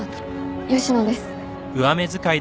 吉野です。